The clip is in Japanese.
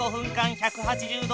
１７０度！